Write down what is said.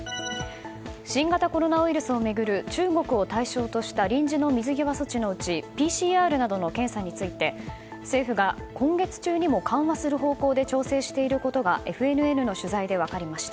新型コロナウイルスを巡る中国を対象とした臨時の水際措置のうちＰＣＲなどの検査について政府が今月中にも緩和する方向で調整していることがＦＮＮの取材で分かりました。